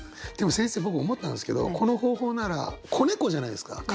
でも先生僕思ったんですけどこの方法なら子猫じゃないですか。